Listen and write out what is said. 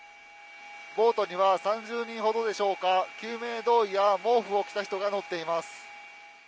ボートには３０人ほどでしょうか救命胴衣や毛布を着た人が乗っています。